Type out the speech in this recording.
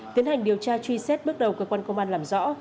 tiến hành điều tra truy xét bước đầu cơ quan công an làm rõ